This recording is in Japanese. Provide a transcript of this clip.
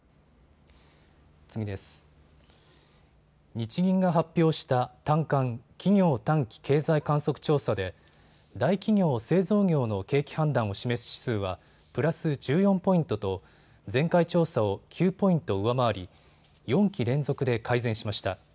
日銀が発表した短観・企業短期経済観測調査で大企業製造業の景気判断を示す指数はプラス１４ポイントと前回調査を９ポイント上回り、４期連続で改善しました。